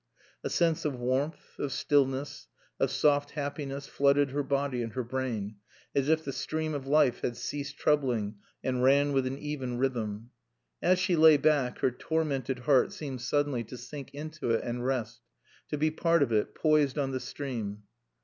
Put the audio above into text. A sense of warmth, of stillness, of soft happiness flooded her body and her brain, as if the stream of life had ceased troubling and ran with an even rhythm. As she lay back, her tormented heart seemed suddenly to sink into it and rest, to be part of it, poised on the stream.